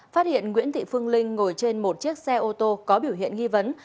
phát hiện nguyễn thị phương linh ngồi trên một chiếc xe ô tô có biểu hiện nghi vấn